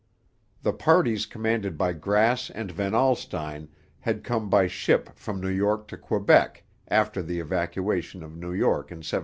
The parties commanded by Grass and Van Alstine had come by ship from New York to Quebec after the evacuation of New York in 1783.